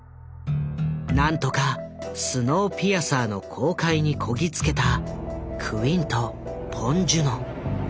何とか「スノーピアサー」の公開にこぎつけたクインとポン・ジュノ。